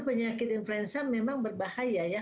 penyakit influenza memang berbahaya